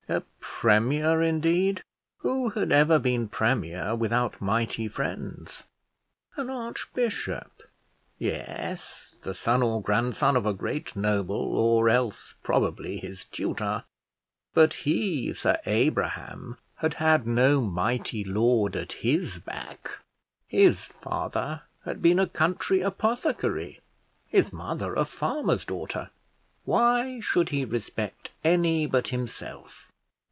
A premier, indeed! Who had ever been premier without mighty friends? An archbishop! Yes, the son or grandson of a great noble, or else, probably, his tutor. But he, Sir Abraham, had had no mighty lord at his back; his father had been a country apothecary, his mother a farmer's daughter. Why should he respect any but himself?